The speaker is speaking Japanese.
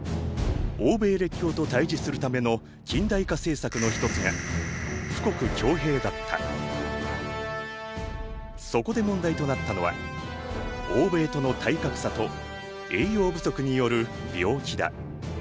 欧米列強と対じするための近代化政策の一つがそこで問題となったのは欧米との体格差と栄養不足による病気だ。